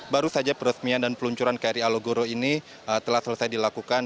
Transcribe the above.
baru saja peresmian dan peluncuran kri alogoro ini telah selesai dilakukan